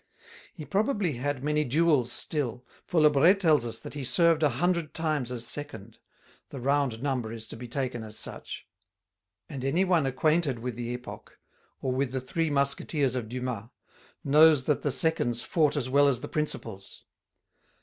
He probably had many duels still, for Lebret tells us that he served a hundred times as second the round number is to be taken as such and any one acquainted with the epoch, or with the Three Musketeers of Dumas, knows that the seconds fought as well as the principals.